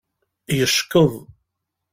Yeckeḍ.